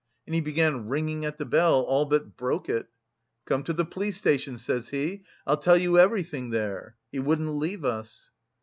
And he began ringing at the bell, all but broke it. 'Come to the police station,' says he. 'I'll tell you everything there.' He wouldn't leave us."